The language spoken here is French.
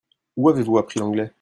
Où avez-vous appris l'anglais ?